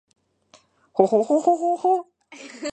ほほほほほっ h